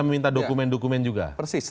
meminta dokumen dokumen juga persis